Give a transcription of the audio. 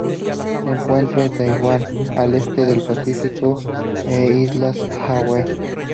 Se encuentra en Taiwán, al este del Pacífico e Islas Hawaii.